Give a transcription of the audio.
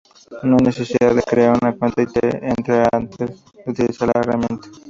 No hay necesidad de crear una cuenta y entrar antes de utilizar la herramienta.